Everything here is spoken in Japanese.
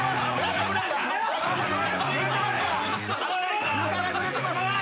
危ないぞ。